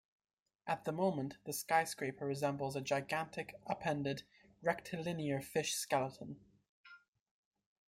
At the moment, the skyscraper resembles a gigantic, upended, rectilinear fish skeleton.